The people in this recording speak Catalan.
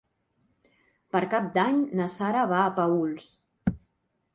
Per Cap d'Any na Sara va a Paüls.